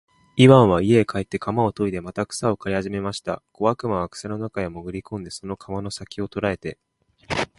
イワンは家へ帰って鎌をといでまた草を刈りはじめました。小悪魔は草の中へもぐり込んで、その鎌の先きを捉えて、